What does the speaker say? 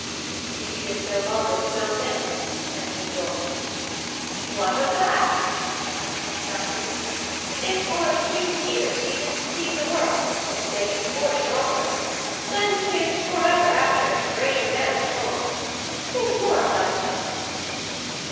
"Yet he is no longer his own man," answered Rolf. "What of that?" asked Kiartan. "If for a few years he can see the world, and make his fortune also, then he is forever after a greater man at home. Think more of thyself!"